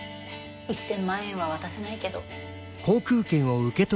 １，０００万円は渡せないけど。